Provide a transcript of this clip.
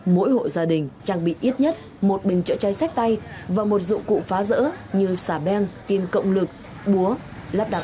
mỗi hộ gia đình trang bị ít nhất một bình chữa cháy sách tay và một dụng cụ phá rỡ như xà beng kim cộng lực búa